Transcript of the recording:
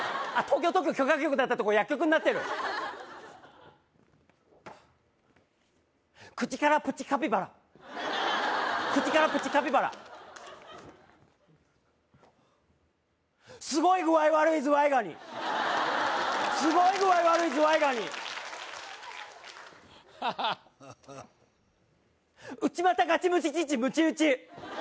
東京特許許可局だったとこ薬局になってる口からプチカピバラ口からプチカピバラすごい具合悪いズワイガニすごい具合悪いズワイガニ内股ガチムチ父むち打ち